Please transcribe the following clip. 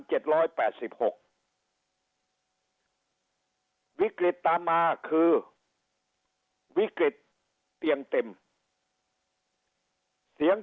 แปดสิบหกวิกฤตตามมาคือวิกฤตเตียงเต็มเสียง